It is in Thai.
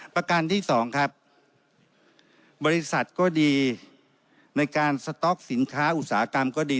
ประการที่สองครับบริษัทก็ดีในการสต๊อกสินค้าอุตสาหกรรมก็ดี